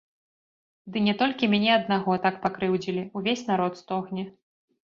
Ды не толькі мяне аднаго так пакрыўдзілі, увесь народ стогне.